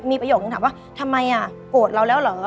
มีประโยคนึงถามว่าทำไมโกรธเราแล้วเหรอ